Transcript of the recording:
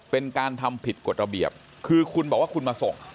เป็นการทำผิดกฎระเบียบคือคุณบอกว่าคุณมาส่ง